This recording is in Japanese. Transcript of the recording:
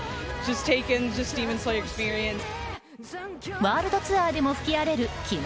ワールドツアーでも吹き荒れる「鬼滅」